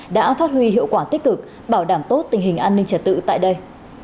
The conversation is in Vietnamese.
đã phát huy hiệu quả tích cực bảo đảm tốt tình hình an ninh trật tự tại đây